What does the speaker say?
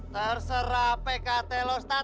terserah pkt lo ustaz